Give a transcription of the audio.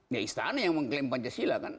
ya istana yang mengklaim pancasila kan